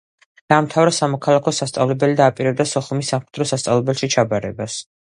დაამთავრა სამოქალაქო სასწავლებელი და აპირებდა სოხუმის სამხედრო სასწავლებელში ჩაბარებას.